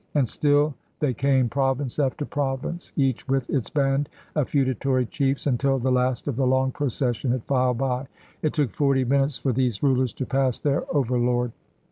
And still they came, province after province, each with its band of feudatory chiefs, until the last of the long procession had filed by. It took forty minutes for these rulers to pass their over lord.